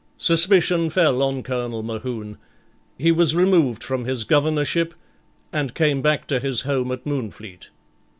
Suspicion fell on Colonel Mohune; he was removed from his Governorship, and came back to his home at Moonfleet.